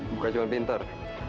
bukan cuma pinter